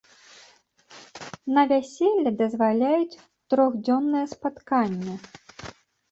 На вяселле дазваляюць трохдзённае спатканне.